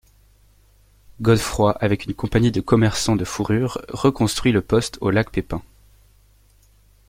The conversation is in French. Godefroy, avec une compagnie de commerçants de fourrures, reconstruit le poste au lac Pépin.